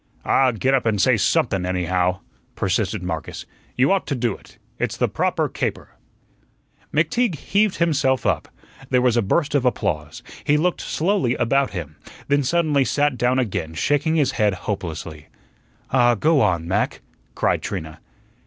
"Ah, get up and say somethun, anyhow," persisted Marcus; "you ought to do it. It's the proper caper." McTeague heaved himself up; there was a burst of applause; he looked slowly about him, then suddenly sat down again, shaking his head hopelessly. "Oh, go on, Mac," cried Trina.